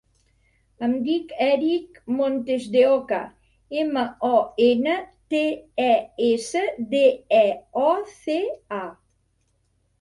Em dic Erick Montesdeoca: ema, o, ena, te, e, essa, de, e, o, ce, a.